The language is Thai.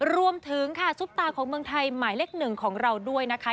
รวมถึงค่ะซุปตาของเมืองไทยหมายเลขหนึ่งของเราด้วยนะคะ